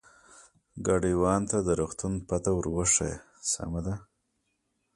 ګاډیوان ته د روغتون پته ور وښیه، سمه ده.